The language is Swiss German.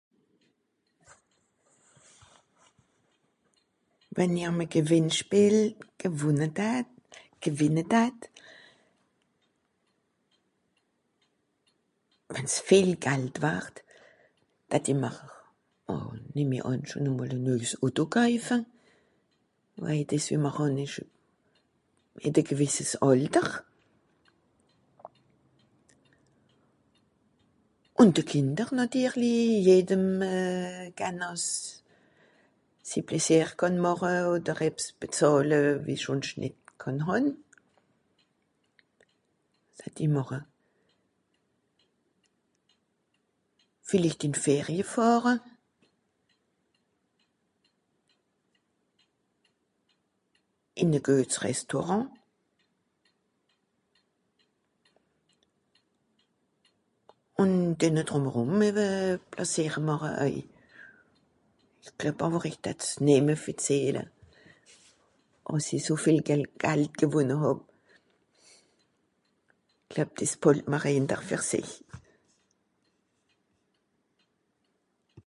wennm'r a gewinn spiel gewonne d'hatt gewinne d'hatt wann's viel Gald warrt d'hattim'r nehmi àn schon a mol a neijs Auto käufe weije des wiem'r hàn esch ìn de gìwesses alter un de Kìnder nàtirli jedem gahn àss sie plaisier kànn màche oder hebbs bezahle wie schonscht net kànn hàn wie die màche viellicht ins Ferie fàhre in a geuts Restaurant un denne drumerum ewe plaisier màche àu sch'glueb awer esch d'hatt's nieme verzähle àss esch so viel Gàld gewonnen hàb sch'glueb des paldem'r ender fer s'esch